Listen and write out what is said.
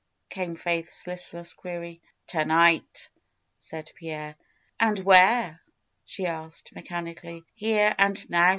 came Faith's listless query. To night !" said Pierre. '^And where?" she asked mechanically. '^Here and now.